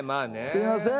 すいません。